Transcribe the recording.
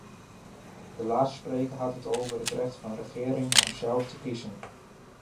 De laatste spreker had het over het recht van regeringen om zelf te kiezen.